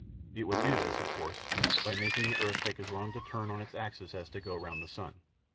It would do this, of course, by making the earth take as long to turn on its axis as to go round the sun.